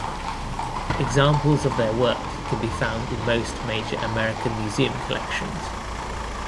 Examples of their work can be found in most major American museum collections.